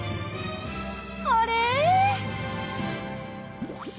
あれ！？